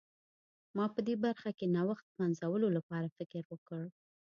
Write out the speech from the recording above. ما په دې برخه کې نوښت پنځولو لپاره فکر وکړ.